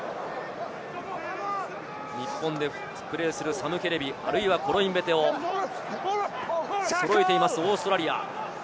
日本でプレーするサム・ケレビやコロインベテを揃えているオーストラリア。